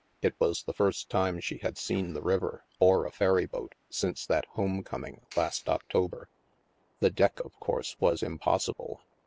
It was the first time she had seen the river, or a ferry boat, since that home coming, last October. The deck, of course, was impossible.